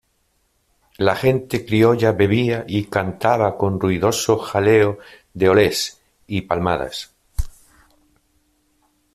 la gente criolla bebía y cantaba con ruidoso jaleo de olés y palmadas.